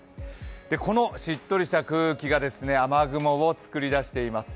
このしっとりした空気が雨雲を作り出しています。